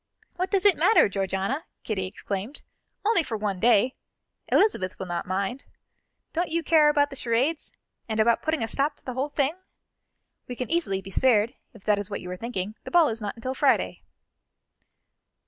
"What does it matter, Georgiana," Kitty exclaimed, "only for one day! Elizabeth will not mind. Don't you care about the charades, and about putting a stop to the whole thing? We can easily be spared, if that is what you are thinking; the ball is not until Friday."